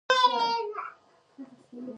د ژوندۍ ساه څخه خالي ده، زما ساه بندیږې